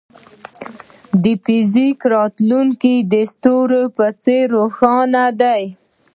د فزیک راتلونکی د ستورو په څېر روښانه دی.